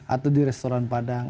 atau di restoran padang